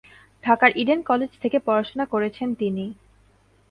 ঢাকার Eden college থেকে পড়াশোনা করেছেন তিনি।